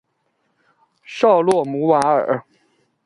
绍洛姆瓦尔。